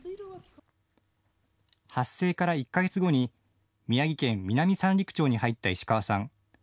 発生から１か月後に宮城県南三陸町に入った石川さん。